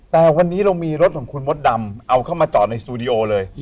แต่วันนี้เรามีรถของคุณมดดำเอาเข้ามาจอดในสตูดิโอเลย